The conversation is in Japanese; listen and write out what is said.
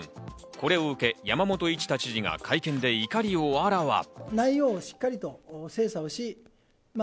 これを受け山本一太知事が会見で怒りをあらわに。